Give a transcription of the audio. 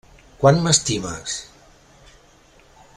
Quant m'estimes?